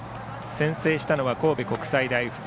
先制したのは神戸国際大付属。